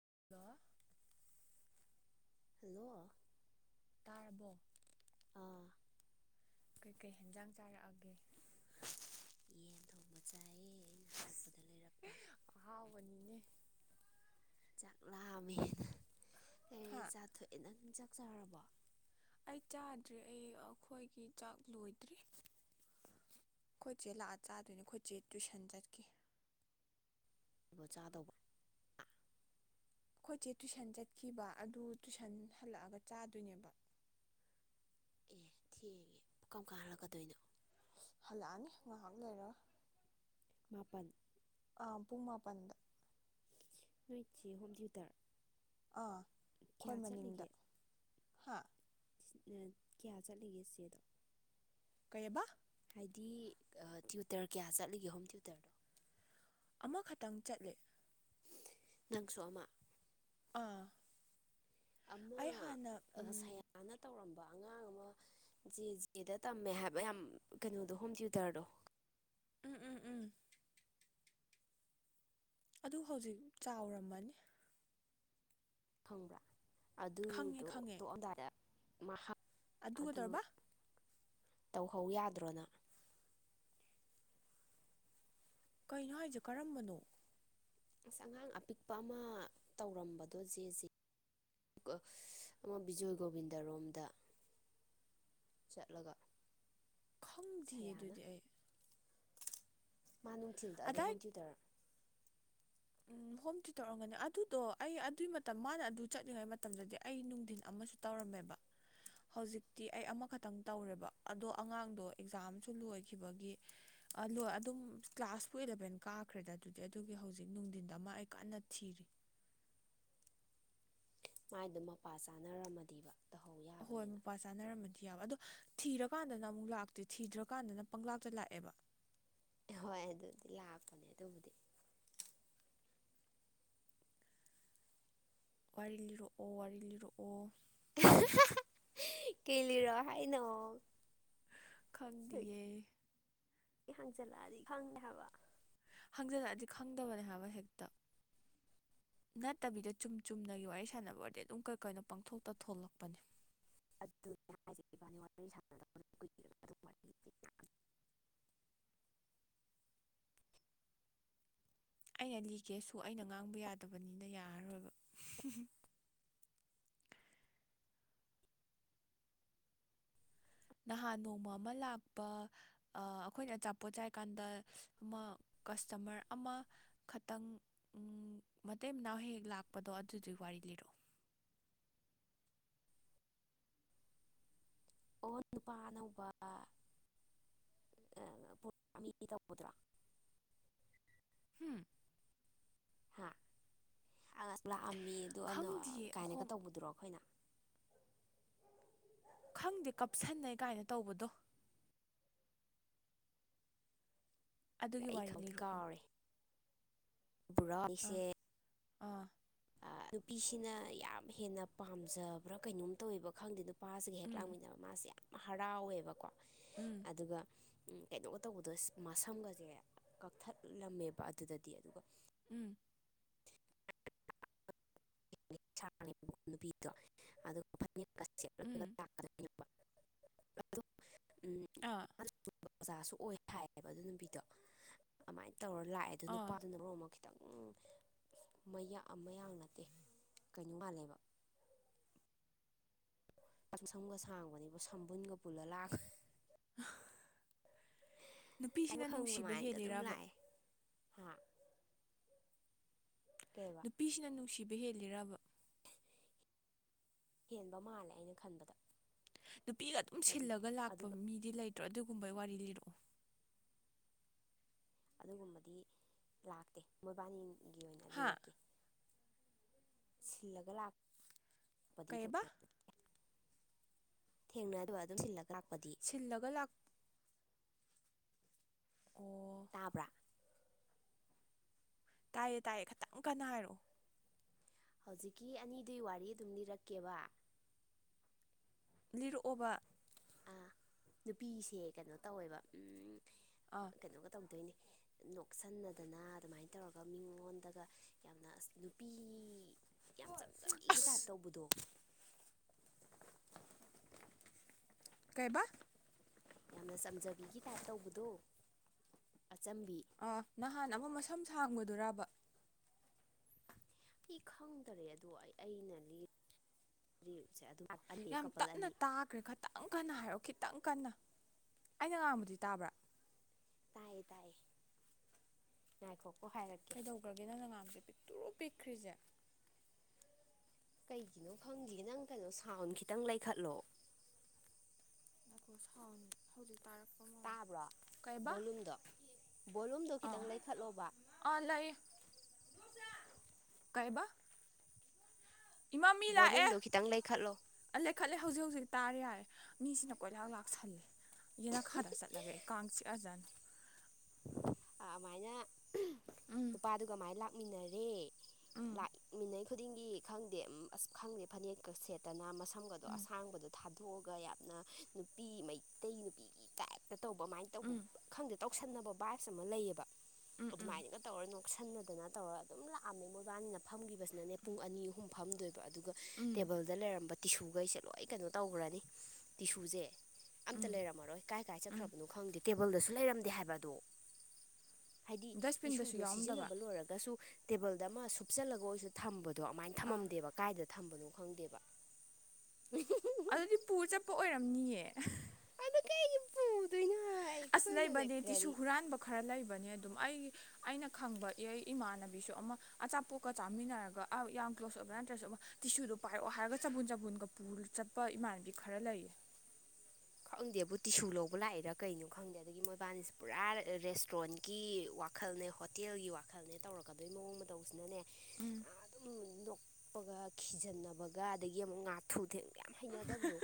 [unintelligible] [inaudible] [inaudible] ꯑꯥ ꯀꯩꯀꯩ ꯍꯦꯟꯖꯥꯡ ꯆꯥꯔꯛꯑꯒꯦ ꯌꯦꯟ ꯊꯣꯡꯕ ꯆꯥꯏꯌꯦ ꯑꯩꯅ ꯍꯜꯂꯛꯄꯗ ꯂꯩꯔꯛꯄ ꯑꯍꯥꯎꯕꯅꯤꯅꯦ ꯆꯥꯛ ꯂꯥꯝꯃꯦꯅ ꯑꯩꯗꯤ ꯍꯥ ꯆꯥꯊꯣꯛꯑꯦꯗ ꯆꯥꯛ ꯆꯔꯕꯣ ꯑꯩ ꯆꯥꯗ꯭ꯔꯦ ꯑꯩ ꯑꯩꯈꯣꯏꯒꯤ ꯆꯥꯛ ꯂꯣꯏꯗ꯭ꯔꯔꯤ ꯑꯩꯈꯣꯏꯆꯦ ꯂꯥꯛꯑ ꯆꯥꯗꯣꯏꯅꯦ ꯑꯩꯈꯣꯏꯆꯦ ꯇꯨꯏꯁꯟ ꯆꯠꯈꯤ ꯑꯗꯨꯒ ꯆꯥꯗꯧꯕ ꯑꯩꯈꯣꯏꯁꯦ ꯇꯨꯏꯁꯟ ꯆꯠꯈꯤꯕ ꯑꯗꯨ ꯇꯨꯏꯁꯟ ꯍꯜꯂꯛꯑꯒ ꯆꯥꯗꯣꯏꯅꯦꯕ ꯑꯦ ꯊꯦꯡꯉꯦ ꯀꯝꯀꯥꯟ ꯍꯜꯂꯛꯀꯗꯣꯏꯅꯣ ꯍꯜꯂꯛꯑꯅꯤ ꯉꯥꯏꯍꯥꯛ ꯂꯩꯔ ꯃꯥꯄꯜ ꯑ ꯄꯨꯡ ꯃꯥꯄꯟꯗ [inaudible] ꯑꯥ ꯀꯌꯥ ꯑꯩꯈꯣꯏ ꯃꯅꯤꯡꯗ ꯆꯠꯂꯤꯒꯦ ꯍꯥ [inaudible] ꯀꯩꯑꯕ ꯍꯥꯏꯗꯤ ꯇ꯭ꯌꯨꯇꯔ ꯀꯌꯥ ꯆꯠꯂꯤꯒꯦ ꯍꯧꯖꯤꯛꯇ ꯑꯃꯈꯛꯇꯪ ꯆꯠꯂꯦ ꯅꯪꯁꯣꯑꯃ ꯑꯥ ꯑꯃ ꯑꯩ ꯍꯥꯟꯅ ꯑ ꯎꯝ ꯁꯌꯥꯅ ꯇꯧꯔꯝꯕ ꯑꯉꯥꯡ ꯑꯃ ꯖꯦ ꯖꯦꯗ ꯇꯝꯃꯦ ꯍꯥꯏꯕ ꯌꯥꯝ ꯀꯩꯅꯣꯗꯣ ꯍꯣꯝ ꯇ꯭ꯌꯨꯇꯔꯗꯣ ꯎꯝ ꯎꯝ ꯎꯝ ꯑꯗꯨ ꯍꯧꯖꯤꯛ ꯆꯥꯎꯔꯝꯃꯅꯤ ꯐꯪꯕ꯭ꯔꯥ ꯈꯪꯉꯦ ꯑꯗꯨꯗꯣ ꯈꯪꯉꯦ ꯇꯣꯛꯑꯝꯗꯥꯏꯗ ꯃꯍꯥꯛ ꯑꯗꯨꯒ ꯑꯗꯨ ꯇꯧꯔꯕ ꯇꯧꯍꯧ ꯌꯥꯗ꯭ꯔꯣꯅ ꯀꯩꯅꯣ ꯍꯥꯏꯁꯦ ꯀꯔꯝꯕꯅꯣ ꯑꯁ ꯑꯉꯥꯡ ꯑꯄꯤꯛꯄ ꯑꯃ ꯇꯧꯔꯝꯕꯗꯣ ꯖꯦ ꯖꯦ ꯑꯃ ꯕꯤꯖꯣꯏ ꯒꯣꯕꯤꯟꯗꯔꯣꯝꯗ ꯆꯠꯂꯒ ꯈꯪ ꯁꯌꯥꯅ ꯃꯥ ꯅꯨꯡꯊꯤꯜꯗ ꯑꯗꯣ ꯍꯣꯝ ꯊ꯭ꯌꯨꯇꯔꯔꯣ ꯎꯝ ꯍꯣꯝ ꯇꯨꯏꯇꯔ ꯑꯣꯏꯔꯝꯒꯅꯤ ꯑꯗꯨꯗꯣ ꯑꯩ ꯑꯗꯨꯏ ꯃꯇꯝ ꯃꯥꯅ ꯑꯗꯨ ꯆꯠꯂꯤꯉꯩ ꯃꯇꯝꯗꯗꯤ ꯑꯩ ꯅꯨꯡꯊꯤꯟ ꯑꯃꯁꯨ ꯇꯧꯔꯝꯃꯦꯕ ꯍꯧꯖꯤꯛꯇꯤ ꯑꯩ ꯑꯃꯈꯛꯇꯪ ꯇꯧꯔꯦꯕ ꯑꯗꯣ ꯑꯉꯥꯡꯗꯣ ꯑꯦꯛꯖꯥꯝꯁꯨ ꯂꯣꯏꯈꯤꯕꯒꯤ ꯂꯣꯏ ꯑꯗꯨꯝ ꯀ꯭ꯂꯥꯁ ꯄꯨ ꯑꯦꯂꯚꯦꯟ ꯀꯥꯈ꯭ꯔꯦꯗ ꯑꯗꯨꯗꯤ ꯑꯗꯨꯒꯤ ꯍꯧꯖꯤꯛ ꯍꯧꯖꯤꯛ ꯅꯨꯡꯊꯤꯟꯗ ꯑꯃ ꯑꯩ ꯀꯟꯅ ꯊꯤꯔꯤ ꯃꯥꯏꯗꯣ ꯃꯄꯥ ꯆꯥꯅꯔꯝꯃꯗꯤꯕ ꯇꯧꯍꯧ ꯌꯥꯏ ꯍꯣꯏ ꯃꯄꯥ ꯆꯥꯅꯔꯝꯃꯗꯤ ꯌꯥꯕ ꯑꯗꯣ ꯊꯤꯔꯀꯥꯟꯗꯅ ꯑꯃꯨꯛ ꯂꯥꯛꯇꯦ ꯊꯤꯗ꯭ꯔꯀꯥꯟꯗꯅ ꯄꯪꯂꯥꯛꯇ ꯂꯥꯛꯑꯦꯕ ꯍꯣꯏ ꯑꯗꯨꯗꯤ ꯂꯥꯛꯄꯅꯦ ꯑꯗꯨꯕꯨꯗꯤ ꯋꯥꯔꯤ ꯂꯤꯔꯛꯑꯣ ꯋꯥꯔꯤ ꯂꯤꯔꯛꯑꯣ ꯀꯩ ꯂꯤꯔꯛꯑꯣ ꯍꯥꯏꯅꯣ ꯀꯩꯒꯤ ꯈꯪꯗꯤꯌꯦ ꯍꯪꯖꯜꯂꯛꯑꯗꯤ ꯈꯪꯗꯦ ꯍꯥꯏꯕ ꯍꯪꯖꯤꯜꯂꯛꯑꯗꯤ ꯈꯪꯗꯕꯅꯦ ꯍꯥꯏꯕ ꯍꯦꯛꯇ ꯅꯠꯇꯕꯤꯗ ꯆꯨꯝ ꯆꯨꯝꯅꯒꯤ ꯋꯥꯔꯤ ꯁꯥꯟꯅꯕ ꯑꯣꯏꯔꯗꯤ ꯑꯗꯨꯝ ꯀꯩ ꯀꯥꯏꯅꯣ ꯄꯡꯊꯣꯛꯇ ꯊꯣꯛꯂꯛꯄꯅꯦ ꯑꯗꯨꯅꯦ [unintelligible] ꯑꯩꯅ ꯂꯤꯒꯦꯁꯨ ꯑꯩꯅ ꯉꯥꯡꯕ ꯌꯥꯗꯕꯅꯤꯅ ꯌꯥꯔꯔꯣꯏꯕ ꯅꯍꯥꯟ ꯅꯣꯡꯃ ꯑꯃ ꯂꯥꯛꯄ ꯑ ꯑꯩꯈꯣꯏꯅ ꯑꯆꯥꯄꯣꯠ ꯆꯥꯏꯀꯥꯟꯗ ꯑꯃ ꯀꯁꯇꯃꯔ ꯑꯃ ꯈꯇꯪ ꯎꯝ ꯃꯇꯩ ꯃꯅꯥꯎ ꯍꯦꯛ ꯍꯦꯛ ꯂꯥꯛꯄꯗꯣ ꯑꯗꯨꯗꯨꯏ ꯋꯥꯔꯤ ꯂꯤꯔꯛꯑꯣ ꯑꯣ ꯅꯨꯄꯥ ꯑꯅꯧꯕ [unintelligible] ꯍꯝ ꯑ ꯂꯥꯛꯑꯝꯃꯤ ꯑꯗꯨ ꯑꯅ ꯈꯪꯗꯤꯌꯦ ꯀꯥꯏꯅꯒ ꯑꯍꯣꯡ ꯇꯧꯕꯗꯨꯔꯣ ꯑꯩꯈꯣꯏꯅ ꯈꯪꯗꯦ ꯀꯞꯁꯟꯅꯩ ꯀꯥꯏꯅ ꯇꯧꯕꯗꯣ ꯑꯗꯨꯒꯤ ꯋꯥꯔꯤ ꯂꯤꯔꯛꯑꯣ ꯄꯨꯔꯥ ꯑꯥ ꯑꯩꯁꯦ ꯑꯥ ꯑ ꯅꯨꯄꯤꯁꯤꯅ ꯌꯥꯝ ꯍꯦꯟꯅ ꯄꯥꯝꯖꯕ꯭ꯔꯥ ꯀꯩꯅꯣꯝ ꯇꯧꯋꯦꯕ ꯈꯪꯗꯦ ꯅꯨꯄꯥꯁꯤꯒ ꯍꯦꯛ ꯎꯝ ꯂꯥꯡꯃꯤꯟꯅꯕ ꯃꯥꯁꯦ ꯌꯥꯝ ꯍꯔꯥꯎꯋꯦꯕꯀꯣ ꯎꯝ ꯑꯗꯨꯒ ꯀꯩꯅꯣꯒ ꯇꯧꯕꯗꯣ ꯃꯁꯝꯒꯁꯦ ꯀꯛꯊꯠꯂꯝꯃꯦꯕ ꯑꯗꯨꯗꯗꯤ ꯑꯗꯨꯒ ꯎꯝ [unintelligible] [unintelligible] ꯎꯝ ꯑꯥ ꯑꯣꯖꯥꯁꯨ ꯑꯣꯏ ꯍꯥꯏꯌꯦꯕ ꯑꯗꯨ ꯅꯨꯄꯤꯗꯣ ꯑꯗꯨꯃꯥꯏꯅ ꯇꯧꯔ ꯂꯥꯛꯑꯦ ꯑꯗꯣ ꯑꯥ ꯅꯨꯄꯥꯗꯨꯅ ꯃꯔꯣꯟ ꯑꯃ ꯇꯪ ꯃꯌꯥ ꯃꯌꯥꯡ ꯅꯠꯇꯦ ꯀꯩꯅꯣ ꯃꯥꯟꯂꯦꯕ ꯃꯁꯝꯒ ꯁꯥꯡꯕꯅꯤꯕꯨ ꯁꯝꯕꯨꯟꯒ ꯄꯨꯜꯂ ꯂꯥꯛ [unintelligible] ꯅꯨꯄꯤꯁꯤꯅ ꯅꯨꯡꯁꯤꯕ [unintelligible] ꯑꯗꯨꯝ ꯍꯦꯜꯂꯤꯔꯕ ꯂꯥꯛꯑꯦ ꯍꯥ [unintelligible] ꯄꯤꯁꯤꯅ ꯅꯨꯡꯁꯤꯕ ꯍꯦꯜꯂꯤꯔꯕ ꯍꯦꯟꯕ ꯃꯥꯜꯂꯦ ꯑꯩꯅ ꯈꯟꯕꯗ ꯅꯨꯄꯤꯒ ꯑꯗꯨꯝ ꯍꯥꯏꯗꯤ ꯁꯤꯜꯂꯒ ꯂꯥꯛꯄ ꯑꯗꯨꯒ ꯃꯤꯗꯤ ꯂꯩꯇ꯭ꯔꯣ ꯑꯗꯨꯒꯨꯝꯕꯩ ꯋꯥꯔꯤ ꯂꯤꯔꯛꯑꯣ ꯑꯗꯨꯒꯨꯝꯕꯗꯤ ꯂꯥꯛꯇꯦ ꯃꯣꯏꯕꯥꯅꯤꯒꯤ ꯑꯣꯏꯅ ꯍꯥ ꯂꯤꯔꯛꯀꯦ ꯁꯤꯜꯂꯒ ꯂꯥꯛ ꯄꯗꯤ ꯀꯩꯕ ꯊꯦꯡꯅ [unintelligible] ꯊꯦꯡꯅꯗꯕ ꯑꯗꯨꯝ ꯁꯤꯜꯂꯒ ꯂꯥꯛꯄꯗꯤ ꯁꯤꯜꯂꯒ ꯂꯥꯛ ꯑꯣ ꯇꯥꯕ꯭ꯔꯥ ꯇꯥꯏꯌꯦ ꯇꯥꯏꯌꯦ ꯈꯤꯇꯪ ꯀꯟꯅ ꯍꯥꯏꯔꯣꯑꯣ ꯍꯧꯖꯤꯛꯀꯤ ꯑꯅꯤꯗꯨꯏ ꯋꯥꯔꯤ ꯑꯗꯨꯝ ꯂꯤꯔꯛꯀꯦꯕ ꯂꯤꯔꯛꯑꯣꯕ ꯑꯥ ꯅꯨꯄꯤꯁꯦ ꯀꯩꯅꯣ ꯇꯧꯋꯦꯕ ꯎꯝ ꯑꯥ ꯀꯩꯅꯣꯒ ꯇꯧꯗꯣꯏꯅꯤ ꯅꯣꯛꯁꯟꯅꯗꯅ ꯑꯗꯨꯃꯥꯏꯅ ꯇꯧꯔꯒ ꯃꯤꯉꯣꯟꯗꯒ ꯌꯥꯝꯅ ꯑꯁ ꯅꯨꯄꯤ ꯌꯥꯝ ꯆꯝꯖꯥꯕꯤꯒꯤ ꯇꯥꯏꯞ ꯑꯁ ꯇꯧꯕꯗꯣ ꯀꯩꯑꯕꯥ ꯌꯥꯝꯅ ꯆꯝꯖꯥꯕꯤꯒꯤ ꯇꯥꯏꯞ ꯇꯧꯕꯗꯣ ꯑꯆꯝꯕꯤ ꯑꯥ ꯅꯍꯥꯟ ꯑꯃ ꯃꯁꯝ ꯁꯥꯡꯕꯗꯨꯔꯕ ꯏ ꯈꯪꯗꯔꯦ ꯑꯗꯣ ꯑꯩ ꯑꯩꯅ ꯂꯤ ꯂꯤꯁꯦ ꯑꯗꯨ [unintelligible] ꯌꯥꯝ ꯇꯞꯅ ꯇꯥꯒ꯭ꯔꯦ ꯈꯥꯇꯪ ꯀꯟꯅ ꯍꯥꯏꯔꯛꯑꯣ ꯈꯤꯇꯪ ꯀꯟꯅ ꯑꯩꯅ ꯉꯥꯡꯕꯗꯤ ꯇꯥꯕ꯭ꯔꯥ ꯇꯥꯏ ꯇꯥꯏ ꯉꯥꯏꯈꯣꯀꯣ ꯍꯥꯏꯔꯛ ꯒꯔꯥꯒꯦ ꯅꯪꯅ ꯉꯥꯡꯕꯖꯦ ꯄꯤꯛꯇꯔꯨ ꯄꯤꯛꯈ꯭ꯔꯤꯖꯦ ꯀꯩꯒꯤꯅꯣ ꯈꯪꯗꯦ ꯅꯪ ꯀꯩꯅꯣ ꯁꯥꯎꯟ ꯈꯤꯇꯪ ꯂꯩꯈꯠꯂꯣ ꯀꯣ ꯁꯥꯎꯟ ꯍꯧꯖꯤꯛ ꯇꯥꯔꯛ ꯇꯥꯕ꯭ꯔꯣ ꯕꯣꯂꯨꯝꯗꯣ ꯕꯣꯂꯨꯝꯗꯣ ꯑꯥ ꯈꯤꯇꯪ ꯂꯩꯈꯠꯂꯣꯕ ꯑꯥ ꯂꯩ ꯀꯩꯕ ꯏꯃꯥ ꯃꯤ ꯂꯥꯛꯑꯦ ꯕꯣꯂꯨꯝꯗꯣ ꯈꯤꯇꯪ ꯂꯩꯈꯠꯂꯣ ꯑꯥ ꯂꯩꯈꯠꯂꯦ ꯍꯧꯖꯤꯛ ꯍꯧꯖꯤꯛ ꯇꯥꯔꯦ ꯌꯥꯔꯦ ꯃꯤꯁꯤꯅ ꯀꯣꯏꯂꯥ ꯂꯥꯛꯁꯜꯂꯦ ꯌꯦꯅꯈꯥꯗ ꯆꯠꯂꯒꯦ ꯑꯩ ꯀꯥꯡ ꯆꯤꯛꯑꯖꯟ ꯑꯥ ꯑꯃꯥꯏꯅ ꯎꯝ ꯅꯨꯄꯥꯗꯨꯒ ꯃꯥꯏ ꯂꯥꯛꯃꯤꯟꯅꯔꯦ ꯎꯝ ꯂꯥꯛꯃꯤꯟꯅꯩ ꯈꯨꯗꯤꯡꯒꯤ ꯈꯪꯗꯦ ꯑꯁ ꯈꯪꯗꯦ ꯐꯅꯦꯛꯀꯥ ꯁꯦꯠꯇꯅ ꯃꯁꯝꯒꯗꯣ ꯎꯝ ꯑꯁꯥꯡꯕꯗꯣ ꯊꯥ ꯊꯣꯛꯑꯒ ꯌꯥꯝꯅ ꯅꯨꯄꯤ ꯃꯩꯇꯩ ꯅꯨꯄꯤ ꯇꯥꯏꯞꯇ ꯇꯧꯕ ꯑꯃꯥꯏꯅ ꯇꯧꯕ ꯎꯝ ꯈꯪꯗꯦ ꯇꯧꯁꯟꯅꯕ ꯕꯥꯏꯞ ꯑꯃ ꯂꯩꯌꯦꯕ ꯎꯝ ꯎꯝ ꯑꯗꯨꯃꯥꯏꯅꯒ ꯇꯧꯔꯅꯨ ꯁꯟꯅꯗꯅ ꯇꯧꯔꯒ ꯑꯗꯨꯝ ꯂꯥꯛꯑꯝꯃꯦ ꯃꯣꯏꯕꯥꯅꯤꯅ ꯐꯝꯒꯤꯕꯁꯤꯅꯅꯦ ꯄꯨꯡ ꯑꯅꯤ ꯑꯍꯨꯝ ꯐꯝꯗꯣꯏ ꯕ ꯑꯗꯨꯒ ꯎꯝ ꯇꯦꯕꯜꯗ ꯂꯩꯔꯝꯕ ꯇꯤꯁꯨꯒꯩꯁꯦ ꯂꯣꯏ ꯀꯩꯅꯣ ꯇꯧꯒ꯭ꯔꯅꯤ ꯇꯤꯁꯨꯖꯦ ꯑꯝꯇ ꯂꯩꯔꯝꯃꯔꯣꯏ ꯀꯥꯏ ꯀꯥꯏ ꯎꯝ ꯆꯠꯈ꯭ꯔꯕꯅꯣ ꯈꯪꯗꯦ ꯇꯦꯕꯜꯗꯁꯨ ꯂꯩꯔꯝꯗꯦ ꯍꯥꯏꯕ ꯑꯗꯣ ꯍꯥꯏꯗꯤ ꯗꯁꯕꯤꯟꯗꯁꯨ ꯇꯤꯁꯨꯗꯣ ꯌꯥꯎꯔꯝꯗꯕ ꯁꯤꯖꯤꯟꯅꯕ ꯂꯣꯏꯔꯒꯁꯨ ꯇꯦꯕꯜꯗ ꯑꯃ ꯁꯨꯞꯆꯜꯂꯒ ꯑꯣꯏꯁꯨ ꯊꯝꯕꯗꯣ ꯑꯃꯥꯏꯟ ꯑꯥ ꯊꯝꯃꯝꯗꯦꯕ ꯀꯥꯏꯗ ꯊꯝꯕꯅꯣ ꯈꯪꯗꯦꯕ ꯑꯗꯨꯗꯤ ꯄꯨ ꯆꯠꯄ ꯑꯣꯏꯔꯝꯅꯤꯌꯦ ꯑꯗꯨ ꯀꯩꯒꯤ ꯄꯨꯗꯣꯏꯅꯣ ꯍꯥꯏꯕ ꯑꯁ ꯂꯩꯕꯅꯦ ꯇꯤꯁꯨ ꯍꯨꯔꯥꯟꯕ ꯈꯔ ꯂꯩꯕꯅꯦ ꯑꯗꯨꯝ ꯑꯩ ꯑꯩꯅ ꯈꯪꯕ ꯏ ꯏꯃꯥꯟꯅꯕꯤꯁꯨ ꯑꯃ ꯑꯆꯥꯄꯣꯠꯀ ꯆꯥꯃꯤꯟꯅꯔꯒ ꯑ ꯌꯥꯝ ꯀ꯭ꯂꯣꯁ ꯑꯣꯏꯕ ꯅꯠꯇ꯭ꯔꯁꯨ ꯑꯃ ꯇꯤꯁꯨꯗꯣ ꯄꯥꯏꯔꯛꯑꯣ ꯍꯥꯏꯔꯒ ꯆꯝꯕꯨꯨꯟ ꯆꯝꯕꯨꯨꯟꯒ ꯄꯨꯔ ꯆꯠꯄ ꯏꯃꯥꯟꯅꯕꯤ ꯈꯔ ꯂꯩꯌꯦ ꯈꯪꯗꯦꯕꯨ ꯇꯤꯁꯨ ꯂꯧꯕ ꯂꯥꯛꯏꯔꯥ ꯀꯩꯅꯣ ꯈꯪꯗꯦ ꯑꯗꯒꯤ ꯃꯣꯏꯕꯥꯅꯤꯁꯦ ꯄꯨꯔꯥ ꯔꯦꯁꯇ꯭ꯔꯨꯔꯦꯟꯀꯤ ꯋꯥꯛ ꯋꯥꯈꯜꯅꯦ ꯍꯣꯇꯦꯜꯒꯤ ꯋꯥꯈꯜꯅꯦ ꯇꯧꯔꯛꯀꯗꯣꯏ ꯃꯑꯣꯡ ꯃꯇꯧꯁꯤꯅꯅꯦ ꯎꯝ ꯑꯗꯨꯝ ꯅꯣꯛꯄꯒ ꯈꯤꯖꯤꯟꯅꯕꯒ ꯑꯗꯒꯤ ꯑꯃꯨꯛ ꯉꯥꯊꯨ ꯊꯦꯡ ꯌꯥꯝ ꯍꯩꯅꯗꯕꯗꯣ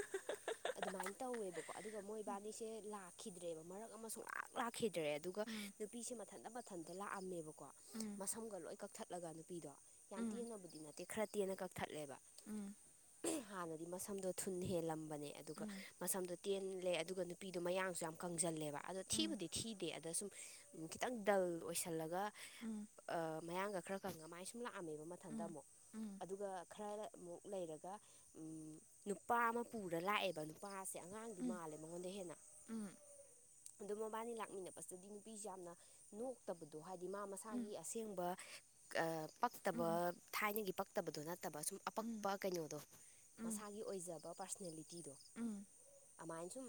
ꯑꯗꯨꯃꯥꯏꯅ ꯇꯧꯋꯦꯕꯀꯣ ꯑꯗꯨꯒ ꯃꯣꯏ ꯕꯥꯅꯤꯁꯦ ꯂꯥꯛꯈꯤꯗ꯭ꯔꯦꯕ ꯃꯔꯛ ꯑꯃ ꯁꯨꯡꯂꯥꯛ ꯂꯥꯛꯈꯤꯗ꯭ꯔꯦ ꯑꯗꯨꯒ ꯎꯝ ꯅꯨꯄꯤꯁꯦ ꯃꯊꯟꯇ ꯃꯊꯟꯇ ꯂꯥꯛꯑꯝꯃꯦꯕꯀꯣ ꯎꯝ ꯃꯁꯝꯒ ꯂꯣꯏ ꯀꯛꯊꯠꯂꯒ ꯅꯨꯄꯤꯗꯣ ꯌꯥꯝ ꯎꯝ ꯇꯦꯟꯅꯕꯨꯗꯤ ꯅꯠꯇꯦ ꯈꯔ ꯇꯦꯟꯅ ꯀꯛꯊꯠꯂꯦꯕ ꯎꯝ ꯍꯥꯟꯅꯗꯤ ꯃꯁꯝꯗꯣ ꯊꯨꯟ ꯍꯦꯜꯂꯝꯕꯅꯦ ꯑꯗꯨꯒ ꯎꯝ ꯃꯁꯝꯗꯣ ꯇꯦꯜꯂꯦ ꯑꯗꯨꯒ ꯅꯨꯄꯤꯗꯣ ꯃꯌꯥꯡꯁꯨ ꯌꯥꯝ ꯀꯪꯖꯜꯂꯦꯕ ꯑꯗꯣ ꯎꯝ ꯊꯤꯕꯨꯗꯤ ꯊꯤꯗꯦ ꯑꯗ ꯁꯨꯝ ꯈꯤꯇꯪ ꯗꯜ ꯑꯣꯏꯁꯜꯂꯒ ꯎꯝ ꯑ ꯃꯌꯥꯡꯒ ꯈꯔ ꯀꯪꯉ ꯃꯥꯏ ꯁꯨꯝ ꯁꯨꯝ ꯂꯥꯛꯑꯝꯃꯦꯕ ꯃꯊꯟꯇ ꯑꯃꯨꯛ ꯑꯗꯨꯒ ꯈꯔꯒ ꯑꯃꯨꯛ ꯂꯩꯔꯒ ꯅꯨꯄꯥ ꯑꯃ ꯄꯨꯔ ꯂꯥꯛꯑꯦꯕ ꯅꯨꯄꯥꯁꯦ ꯑꯉꯥꯡꯗꯤ ꯃꯥꯜꯂꯦ ꯃꯉꯣꯟꯗꯩ ꯍꯦꯟꯅ ꯑꯗꯣ ꯃꯕꯥꯅꯤ ꯂꯥꯛꯃꯤꯟꯅꯕꯁꯤꯗꯤ ꯅꯨꯄꯤꯁꯦ ꯌꯥꯝꯅ ꯅꯣꯛꯇꯕꯗꯣ ꯍꯥꯏꯗꯤ ꯃꯥ ꯃꯁꯥꯒꯤ ꯑꯁꯦꯡꯕ ꯑ ꯄꯛꯇꯕ ꯊꯥꯏꯅꯒꯤ ꯄꯛ ꯇꯕꯗꯣ ꯅꯠꯇꯕ ꯁꯨꯝ ꯑꯄꯛꯄ ꯀꯩꯅꯣꯗꯣ ꯃꯁꯥꯒꯤ ꯑꯣꯏꯖꯕ ꯄꯥꯔꯁꯣꯅꯦꯂꯤꯇꯤꯗꯣ ꯑꯃꯥꯏ ꯁꯨꯝ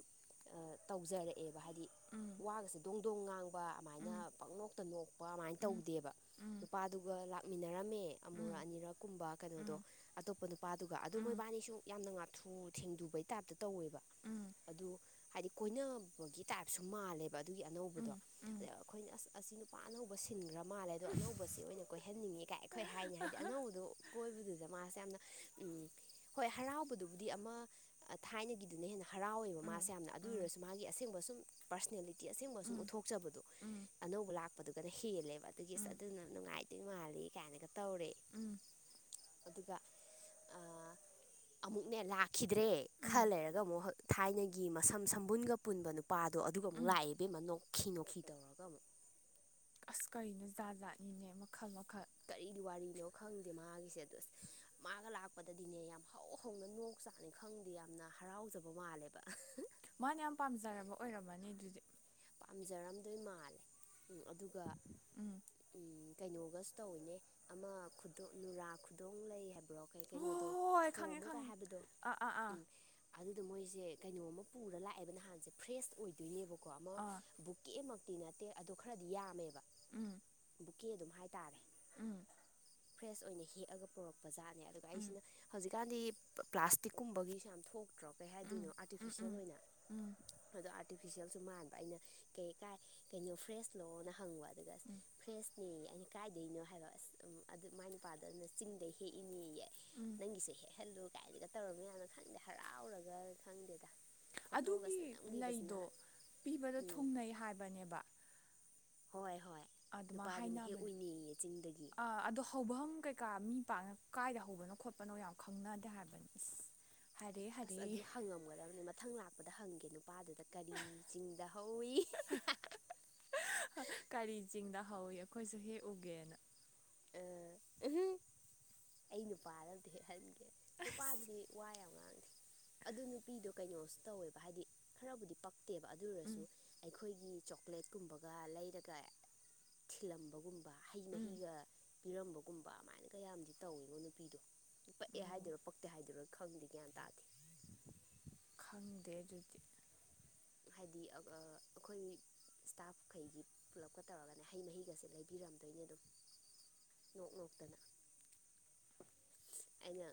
ꯇꯧꯖꯔꯛꯑꯦꯕ ꯍꯥꯏꯗꯤ ꯋꯥꯒꯁꯦ ꯗꯣꯡ ꯗꯣꯡ ꯉꯥꯡꯕ ꯑꯃꯥꯏꯅ ꯄꯪꯅꯣꯛꯇ ꯅꯣꯛꯄ ꯑꯗꯨꯃꯥꯏꯅ ꯇꯧꯗꯦꯕ ꯅꯨꯄꯥꯥꯗꯨꯒ ꯂꯥꯛ ꯃꯤꯟꯅꯔꯝꯃꯦ ꯑꯃꯨꯔꯛ ꯑꯅꯤꯔꯛ ꯀꯨꯝꯕ ꯀꯩꯅꯣꯗꯣ ꯑꯇꯣꯞꯄ ꯅꯨꯄꯥꯗꯨꯒ ꯑꯗꯨ ꯃꯣꯏꯕꯥꯅꯤꯁꯨ ꯌꯥꯝꯅ ꯉꯥꯛ ꯊꯨ ꯊꯦꯡꯗꯨꯕꯩ ꯇꯥꯏꯞꯇ ꯇꯧꯋꯦꯕ ꯑꯗꯨ ꯍꯥꯏꯗꯤ ꯀꯣꯏꯅꯕꯒꯤ ꯇꯥꯏꯞꯁꯨ ꯃꯥꯜꯂꯦꯕ ꯑꯗꯨꯒꯤ ꯑꯅꯧꯕꯗꯣ ꯑꯗ ꯑꯩꯈꯣꯏꯅ ꯑꯁ ꯑꯁꯤ ꯅꯨ ꯄꯥ ꯑꯅꯧꯕ ꯁꯤꯟꯈ꯭ꯔ ꯃꯥꯜꯂꯦ ꯑꯗꯣ ꯑꯅꯧꯕꯁꯤ ꯑꯣꯏꯅ ꯀꯣꯏꯍꯟꯅꯤꯡꯉꯤ ꯀꯥꯏ ꯑꯩꯈꯣꯏ ꯍꯥꯏꯅꯤ ꯍꯥꯏꯗꯤ ꯑꯅꯧꯕꯗꯨ ꯀꯣꯏꯕꯗꯨꯗ ꯃꯥꯁꯦ ꯌꯥꯝꯅ ꯎꯝ ꯍꯣꯏ ꯍꯔꯥꯎꯕꯗꯨꯕꯨꯗꯤ ꯑꯃ ꯊꯥꯏꯅꯒꯤꯗꯨꯅ ꯍꯦꯟꯅ ꯍꯔꯥꯎꯋꯦꯕ ꯃꯥꯁꯦ ꯌꯥꯝꯅ ꯑꯗꯨ ꯑꯣꯏꯔꯁꯨ ꯃꯥꯒꯤ ꯑꯁꯦꯡꯕ ꯁꯨꯝ ꯄꯥꯔꯁꯅꯦꯂꯤꯇꯤ ꯑꯁꯦꯡꯕ ꯁꯨꯝ ꯎꯠꯊꯣꯛꯆꯕꯗꯣ ꯑꯅꯧꯕ ꯂꯥꯛꯄꯗꯨꯒꯅ ꯍꯦꯜꯂꯦꯕ ꯑꯗꯨꯒꯤ ꯑꯗꯨꯅ ꯅꯨꯡꯉꯥꯏꯗꯣꯏ ꯃꯥꯜꯂꯤ ꯀꯥꯏꯅꯒ ꯇꯧꯔꯦ ꯎꯝ ꯑꯗꯨꯒ ꯑ ꯑꯃꯨꯛꯅꯦ ꯂꯥꯛꯈꯤꯗ꯭ꯔꯦ ꯈꯔ ꯂꯩꯔꯒ ꯑꯃꯨꯛ ꯊꯥꯏꯅꯒꯤ ꯃꯁꯝ ꯁꯝꯕꯨꯟꯒ ꯄꯨꯟꯕ ꯅꯨꯄꯥꯗꯣ ꯑꯗꯨꯒ ꯑꯃꯨꯛ ꯂꯥꯛꯑꯦ ꯏꯕꯦꯝꯃ ꯅꯣꯡ ꯈꯤ ꯅꯣꯛꯈꯤ ꯇꯧꯔꯒ ꯑꯃꯨꯛ ꯑꯁ ꯀꯔꯤꯅꯣ ꯖꯥꯠ ꯖꯥꯠꯅꯤꯅꯦ ꯃꯈꯜ ꯃꯈꯜ ꯀꯔꯤꯗꯤ ꯋꯥꯔꯤꯅꯣ ꯈꯪꯗꯦ ꯃꯥꯒꯤꯁꯦ ꯑꯗꯣ ꯃꯥꯒ ꯂꯥꯛꯄꯗꯗꯤꯅꯦ ꯌꯥꯝ ꯍꯧ ꯍꯧꯅ ꯅꯣꯛ ꯎꯆꯥꯛꯅꯤ ꯈꯪꯗꯦ ꯌꯥꯝꯅ ꯍꯔꯥꯎꯖꯕ ꯃꯥꯜꯂꯦꯕ ꯃꯥꯅ ꯌꯥꯝ ꯄꯥꯝꯖꯔꯕ ꯑꯣꯏꯔꯝꯃꯅꯤ ꯑꯗꯨꯗꯤ ꯄꯥꯝꯖꯔꯝꯗꯣꯏ ꯃꯥꯜꯂꯦ ꯎꯝ ꯑꯗꯨꯒ ꯎꯝ ꯀꯩꯅꯣꯒꯁꯨ ꯇꯧꯋꯤꯅꯦ ꯑꯃ ꯈꯨꯗꯣ ꯅꯨꯔꯥ ꯈꯨꯗꯣꯡ ꯂꯩ ꯍꯥꯏꯕ꯭ꯔꯣ ꯀꯩ ꯀꯩꯅꯣꯗꯣ ꯍꯣꯏ ꯍꯣꯏ ꯍꯣꯏ ꯈꯪꯉꯦ ꯊꯣꯝꯃꯨꯒ ꯈꯪꯉꯦ ꯍꯥꯏꯕꯗꯣ ꯑꯥ ꯑꯥ ꯑꯥ ꯎꯝ ꯑꯗꯨꯗꯣ ꯃꯣꯏꯁꯦ ꯀꯩꯅꯣꯝꯃ ꯄꯨꯔ ꯂꯥꯛꯑꯦꯕ ꯅꯍꯥꯟꯁꯦ ꯐ꯭ꯔꯦꯁ ꯑꯣꯏꯗꯣꯏꯅꯦꯕꯀꯣ ꯑꯃ ꯑꯥ ꯕꯨꯛꯀꯦꯃꯛꯇꯤ ꯅꯠꯇꯦ ꯑꯗꯣ ꯈꯔꯗꯤ ꯌꯥꯝꯃꯦꯕ ꯎꯝ ꯄꯨꯛꯀꯦ ꯑꯗꯨꯝ ꯍꯥꯏꯇꯥꯔꯦ ꯎꯝ ꯐ꯭ꯔꯦꯁ ꯑꯣꯏꯅ ꯍꯦꯛꯑꯒ ꯄꯨꯔꯛꯄꯖꯥꯠꯅꯦ ꯑꯗꯨꯒ ꯎꯝ ꯑꯩꯁꯤꯅ ꯍꯧꯖꯤꯛ ꯍꯧꯖꯤꯛ ꯀꯥꯟꯗꯤ ꯄ꯭ꯂꯥꯁꯇꯤꯛꯀꯨꯝꯕꯒꯤꯁꯦ ꯌꯥꯝ ꯊꯣꯛꯇ꯭ꯔꯣ ꯀꯩ ꯎꯝ ꯍꯥꯏꯗꯣꯏꯅꯣ ꯎꯝ ꯑꯥꯔꯇꯤꯐꯤꯁꯦꯜ ꯎꯝ ꯑꯣꯏꯅ ꯎꯝ ꯑꯗꯣ ꯑꯥꯔꯇꯤꯐꯤꯁꯦꯜꯁꯨ ꯃꯥꯟ ꯑꯩꯅ ꯀꯩ ꯀꯥꯏ ꯀꯩꯅꯣ ꯐ꯭ꯔꯦꯁꯂꯣꯅ ꯍꯪꯕ ꯑꯗꯨꯒ ꯎꯝ ꯐ꯭ꯔꯦꯁ ꯅꯦ ꯑꯩꯅ ꯀꯥꯏꯗꯅꯣ ꯍꯥꯏꯕ ꯑꯁ ꯑꯗꯨ ꯃꯥꯏ ꯅꯨꯄꯥꯗꯨꯅ ꯆꯤꯡꯗꯩ ꯍꯦꯛꯏꯅꯦꯌꯦ ꯎꯝ ꯅꯪꯒꯤꯁꯨ ꯍꯦꯛꯍꯜꯂꯨ ꯀꯥꯏꯗꯒ ꯇꯧꯔꯃꯤ ꯌꯥꯅꯣ ꯈꯪꯗꯦ ꯍꯔꯥꯎꯔꯒ ꯈꯪꯗꯦꯗ ꯐꯣꯇꯣꯒꯁꯦ ꯅꯝꯒꯤꯕꯁꯤꯅ ꯄꯤꯕꯗꯣ ꯊꯨꯡꯅꯩ ꯍꯥꯏꯕꯅꯦꯕ ꯍꯣꯏ ꯍꯣꯏ ꯑꯗꯨꯃꯥꯏꯅ ꯅꯨꯄꯥꯗꯨꯅ ꯍꯦꯛ ꯍꯥꯏꯅꯕꯅꯦ ꯑꯣꯏꯅꯩꯌꯦ ꯆꯤꯡꯗꯒꯤ ꯑꯥ ꯑꯗꯣ ꯍꯧꯐꯝ ꯀꯩꯀꯥ ꯃꯤ ꯄꯥꯛꯅ ꯀꯥꯏꯗ ꯍꯧꯕꯅꯣ ꯈꯣꯠꯄꯅꯣ ꯌꯥꯝ ꯈꯪꯅꯗꯦ ꯍꯥꯏꯕꯅꯤ ꯏꯁ ꯍꯥꯏꯔꯦ ꯑꯁ ꯍꯥꯏꯔꯦ ꯑꯗꯨ ꯍꯪꯉꯝꯒꯗꯕꯅꯤ ꯃꯊꯪ ꯂꯥꯛꯄꯗ ꯍꯪꯒꯦ ꯅꯨꯄꯥꯗꯨꯗ ꯀꯔꯤ ꯆꯤꯡꯗ ꯍꯧꯋꯤ ꯀꯔꯤ ꯆꯤꯡꯗ ꯍꯧꯋ ꯑꯩꯈꯣꯏꯁꯨ ꯍꯦꯛ ꯎꯒꯦꯅ ꯑꯥ ꯎꯝ ꯑꯩ ꯅꯨꯄꯥꯗ ꯑꯝꯇꯥ ꯍꯦꯛꯍꯟꯒꯦ ꯑꯁ ꯅꯨꯄꯥꯗꯨꯗꯤ ꯋꯥ ꯌꯥꯝ ꯥꯑꯥ ꯑꯗꯨ ꯅꯨꯄꯤꯗꯣ ꯀꯩꯅꯣꯁꯨ ꯇꯧꯋꯦꯕ ꯍꯥꯏꯗꯤ ꯈꯔꯕꯨꯗꯤ ꯄꯛꯇꯦꯕ ꯑꯗꯨ ꯎꯝ ꯑꯣꯏꯔꯁꯨ ꯑꯩꯈꯣꯏꯒꯤ ꯆꯣꯀ꯭ꯂꯦꯠꯀꯨꯝꯕꯒ ꯂꯩꯔꯒ ꯊꯤꯜꯂꯝꯕꯒꯨꯝꯕ ꯍꯩ ꯎꯝ ꯃꯍꯤꯒ ꯄꯤꯔꯝꯕꯒꯨꯝꯕ ꯑꯗꯨꯃꯥꯏꯅꯒ ꯌꯥꯝꯗꯤ ꯇꯧꯋꯤꯉꯣ ꯅꯨꯄꯤꯗꯣ ꯄꯛꯑꯦ ꯑꯣ ꯍꯥꯏꯗꯣꯏꯔꯣ ꯄꯛꯇꯦ ꯍꯥꯏꯗꯣꯏꯔꯣ ꯈꯪꯗꯦ ꯒ꯭ꯌꯥꯟ ꯇꯥꯗꯦ ꯈꯪꯗꯦ ꯑꯗꯨꯗꯤ ꯍꯥꯏꯗꯤ ꯑꯥ ꯑꯩꯈꯣꯏ ꯏꯁꯇꯥꯐꯈꯩꯒꯤ ꯄꯨꯂꯞꯀ ꯇꯧꯔꯒꯅꯦ ꯍꯩ ꯃꯍꯤꯒꯁꯦ ꯂꯩꯕꯤꯔꯝꯗꯣꯏꯅꯦ ꯑꯗꯨꯝ ꯅꯣꯛ ꯅꯣꯛꯇꯅ ꯑꯩꯅ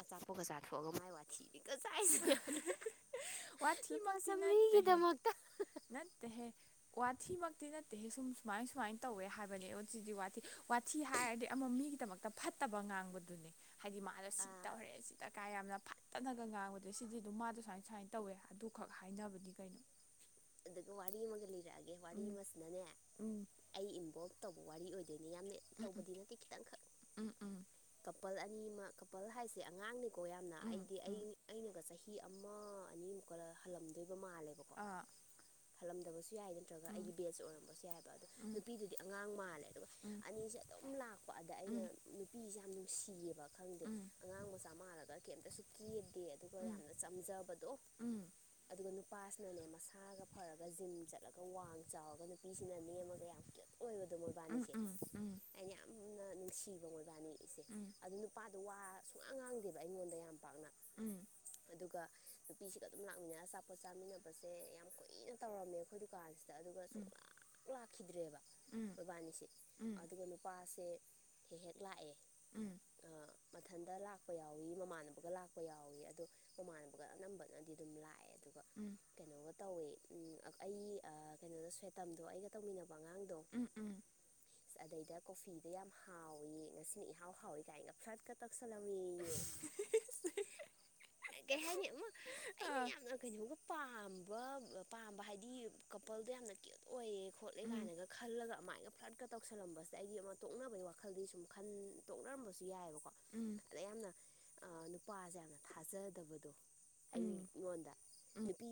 ꯑꯆꯥꯄꯣꯠꯀ ꯆꯥꯥꯊꯣꯛꯑꯒ ꯃꯥꯏ ꯋꯥꯔꯤ ꯊꯤꯔꯒ ꯆꯥꯏꯅ ꯋꯥꯊꯤꯃꯛꯇꯤ ꯅꯠꯇꯦꯍꯦ ꯆꯥꯝꯃꯔꯤꯒꯤꯗꯃꯛꯇ ꯅꯠꯇꯦꯍꯦ ꯋꯥꯊꯤꯃꯛꯇꯤ ꯅꯠꯇꯦꯍꯦ ꯁꯨꯝ ꯁꯨꯃꯥꯏ ꯁꯨꯃꯥꯏꯅ ꯇꯧꯋꯦ ꯍꯥꯏꯕꯅꯦ ꯎꯆꯤꯖꯤ ꯋꯥꯊꯤ ꯋꯥꯊꯤ ꯍꯥꯏꯔꯗꯤ ꯑꯃ ꯃꯤꯒꯤꯗꯃꯛ ꯑꯐꯠꯇꯕ ꯉꯥꯡꯕꯗꯨꯅꯦ ꯍꯥꯏꯗꯤ ꯃꯥꯗꯣ ꯁꯤ ꯑꯥ ꯇꯧꯔꯦ ꯁꯤ ꯀꯥꯏ ꯌꯥꯝꯅ ꯐꯠꯇꯅꯒ ꯉꯥꯡꯕꯗꯣ ꯑꯗꯩ ꯁꯤꯗꯤ ꯗꯨꯝ ꯃꯥꯗꯣ ꯁꯨꯃꯥꯏꯅ ꯁꯨꯃꯥꯏꯅ ꯇꯧꯋꯦ ꯑꯗꯨꯈꯛ ꯍꯥꯏꯅꯕꯅꯤ ꯀꯩꯅꯣ ꯑꯗꯨꯒ ꯋꯥꯔꯤ ꯑꯃꯒ ꯂꯤꯔꯛꯑꯒꯦ ꯋꯥꯔꯤ ꯎꯝ ꯑꯃꯁꯤꯅꯅꯦ ꯎꯝ ꯑꯩ ꯏꯟꯚꯣꯜꯕ ꯇꯧꯕ ꯋꯥꯔꯤ ꯑꯣꯏꯗꯣꯏꯅꯦ ꯌꯥꯝꯅ ꯇꯧꯕꯗꯤ ꯅꯠꯇꯦ ꯈꯤꯇꯪꯈꯛ ꯎꯝ ꯎꯝ ꯀꯄꯜ ꯑꯅꯤ ꯑꯃ ꯀꯄꯜ ꯍꯥꯏꯁꯦ ꯑꯉꯥꯡꯅꯤꯀꯣ ꯌꯥꯝꯅ ꯎꯝ ꯑꯩꯗꯤ ꯎꯝ ꯎꯝ ꯑꯩ ꯑꯩꯅꯒ ꯆꯍꯤ ꯑꯃ ꯑꯅꯤꯃꯛ ꯀ ꯍꯜꯂꯝꯗꯣꯏꯕ ꯃꯥꯜꯂꯦꯕꯣ ꯑꯥ ꯍꯜꯂꯝꯗꯕꯁꯨ ꯌꯥꯏ ꯅꯠꯇ꯭ꯔꯒ ꯑꯩꯒꯤ ꯎꯝ ꯕꯦꯠꯖ ꯑꯣꯏꯔꯝꯕꯁꯨ ꯌꯥꯏꯕ ꯑꯗꯥ ꯎꯝ ꯅꯨꯄꯤꯗꯨꯗꯤ ꯑꯉꯥꯡ ꯃꯥꯜꯂꯦ ꯑꯗꯨꯒ ꯎꯝ ꯑꯅꯤꯁꯦ ꯑꯗꯨꯝ ꯂꯥꯛꯄ ꯑꯗꯥ ꯑꯩꯅ ꯎꯝ ꯅꯨꯄꯤꯁꯦ ꯌꯥꯝ ꯅꯨꯡꯁꯤꯌꯦꯕ ꯈꯪꯗꯦ ꯎꯝ ꯑꯉꯥꯡ ꯃꯆꯥ ꯃꯥꯜꯂꯒ ꯀꯩꯝꯇꯁꯨ ꯀꯦꯗꯦ ꯗꯦ ꯑꯗꯨꯒ ꯎꯝ ꯎꯝ ꯌꯥꯝꯅ ꯆꯝꯖꯕꯗꯣ ꯎꯝ ꯑꯗꯨꯒ ꯅꯨ ꯅꯨꯄꯥꯁꯤꯅꯅꯦ ꯃꯁꯥꯒ ꯐꯔꯒ ꯖꯤꯝ ꯆꯠꯂꯒ ꯋꯥꯡ ꯆꯥꯎꯔꯒ ꯅꯨꯄꯤꯁꯤꯅ ꯅꯦꯝ ꯑꯃꯒ ꯌꯥꯝ ꯀꯨꯠ ꯑꯣꯏꯕꯗꯣ ꯎꯝ ꯃꯣꯏꯕꯥꯅꯤꯁꯦ ꯎꯝ ꯎꯝ ꯎꯝ ꯎꯝ ꯎꯝ ꯎꯝ ꯑꯩꯅ ꯌꯥꯝꯅ ꯅꯨꯡꯁꯤꯕ ꯃꯣꯏꯕꯥꯅꯤꯁꯦ ꯑꯗꯨ ꯅꯨꯄꯥ ꯋꯥ ꯁꯨꯡꯉꯥꯡ ꯉꯥꯡꯗꯦꯕ ꯑꯩꯉꯣꯟꯗ ꯌꯥꯝ ꯄꯥꯛꯅ ꯎꯝ ꯑꯗꯨꯒ ꯅꯨꯄꯤꯁꯤꯒ ꯑꯗꯨꯝ ꯂꯥꯛꯃꯤꯟꯅꯔ ꯑꯆꯥꯄꯣꯠ ꯆꯥꯃꯤꯟꯅꯕꯁꯦ ꯌꯥꯝ ꯀꯨꯏꯅ ꯇꯧꯔꯝꯃꯦ ꯑꯩꯈꯣꯏ ꯗꯨꯀꯥꯟꯁꯤꯗ ꯑꯗꯨꯒ ꯁꯨꯡ ꯂꯥꯛ ꯂꯥꯛꯈꯤꯗ꯭ꯔꯦꯕ ꯃꯣꯏꯕꯥꯅꯤꯁꯦ ꯑꯗꯨꯒ ꯅꯨꯄꯥꯁꯦ ꯍꯦꯛ ꯍꯦꯛ ꯂꯥꯛꯑꯦ ꯎꯝ ꯃꯊꯟꯇ ꯂꯥꯛꯄ ꯌꯥꯎꯋꯤ ꯃꯃꯥꯟꯅꯕꯒ ꯂꯥꯛꯄ ꯌꯥꯎꯏ ꯑꯗꯣ ꯃꯃꯥꯟꯅꯕꯒ ꯑꯅꯝꯕꯅꯗꯤ ꯑꯗꯨꯝ ꯂꯥꯛꯑꯦ ꯑꯗꯨꯒ ꯀꯩꯅꯣꯒ ꯇꯧꯋꯦ ꯎꯝ ꯑꯩ ꯑ ꯀꯩꯅꯣꯗ ꯁ꯭ꯋꯦꯇꯝꯗꯣ ꯑꯩꯒ ꯇꯧꯃꯤꯟꯅꯕ ꯑꯉꯥꯡꯗꯣ ꯎꯝ ꯎꯝ ꯎꯝ ꯎꯝ ꯑꯗꯩꯗ ꯀꯣꯐꯤꯗꯣ ꯌꯥꯝ ꯍꯥꯎꯏꯤ ꯉꯁꯤꯅ ꯏꯍꯥꯎ ꯍꯥꯎꯋ ꯀꯥꯏꯅꯒ ꯐ꯭ꯂꯠꯀ ꯇꯛꯁꯜꯂꯝꯑꯦꯌꯦ ꯀꯩ ꯍꯥꯏꯅꯤ ꯑꯝ ꯑꯩꯅ ꯑꯥ ꯌꯥꯝꯅ ꯀꯩꯅꯣꯒ ꯄꯥꯝꯕ ꯄꯥꯝꯕ ꯍꯥꯏꯗꯤ ꯀꯣꯄꯜꯗꯣ ꯌꯥꯝꯅ ꯀ꯭ꯌꯨꯠ ꯑꯣꯏꯌꯦ ꯈꯣꯠꯂꯦ ꯎꯝ ꯀꯥꯏꯅꯒ ꯈꯜꯂꯒ ꯑꯗꯨꯃꯥꯏꯅ ꯐ꯭ꯂꯠꯀ ꯇꯧꯁꯜꯂꯝꯕꯁꯦ ꯑꯩꯒꯤ ꯑꯃ ꯇꯣꯛꯅꯕꯒꯤ ꯋꯥꯈꯜꯗꯤ ꯁꯨꯝ ꯈꯟ ꯇꯣꯛꯅꯔꯝꯕꯁꯨ ꯌꯥꯏꯑꯦꯕꯀꯣ ꯎꯝ ꯑꯗ ꯌꯥꯝꯅ ꯅꯨꯄꯥꯁꯦ ꯌꯥꯝꯅ ꯊꯥꯖꯗꯕꯗꯣ ꯎꯝ ꯎꯝ ꯑꯩꯉꯣꯟꯗ ꯎꯝ ꯅꯨꯄꯤ